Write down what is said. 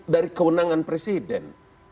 dari keunangan presiden